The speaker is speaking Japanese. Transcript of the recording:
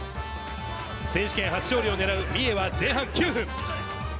選手権初勝利を狙う三重は前半９分。